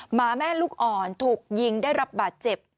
หมาแม่ลูกอ่อนถูกยิงได้รับบาดเจ็บ